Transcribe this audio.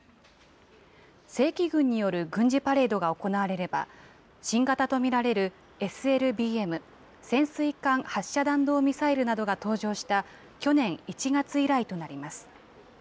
正規軍による軍事パレードが行われれば、新型と見られるＳＬＢＭ・潜水艦発射弾道ミサイルなどが登場した去年１月以来となります。